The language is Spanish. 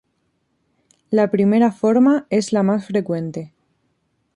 La primera forma es la más frecuente.